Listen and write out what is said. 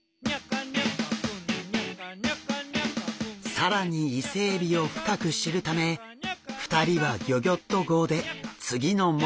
更にイセエビを深く知るため２人はギョギョッと号で次の目的地へ。